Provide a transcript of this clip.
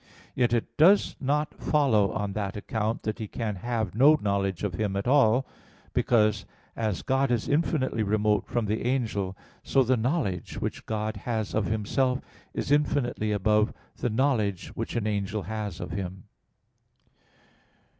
Yet it does not follow on that account that he can have no knowledge of Him at all: because, as God is infinitely remote from the angel, so the knowledge which God has of Himself is infinitely above the knowledge which an angel has of Him.